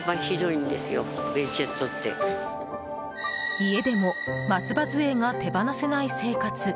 家でも松葉杖が手放せない生活。